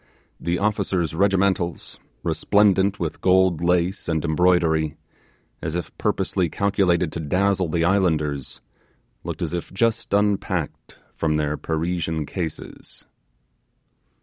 The officers' regimentals, resplendent with gold lace and embroidery as if purposely calculated to dazzle the islanders, looked as if just unpacked from their Parisian cases.